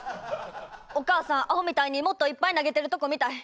お母さんあほみたいにもっといっぱい投げてるとこ見たい。